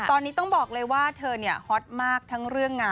ตอนนี้ต้องบอกเลยว่าเธอเนี่ยฮอตมากทั้งเรื่องงาน